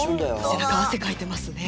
背中汗かいてますね。